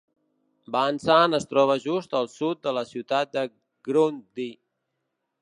Vansant es troba just al sud de la ciutat de Grundy.